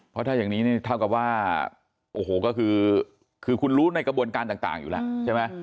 เพราะถ้าอย่างนี้นี่เท่ากับว่าโอ้โหก็คือคุณรู้ในกระบวนการต่างอยู่แล้วใช่ไหม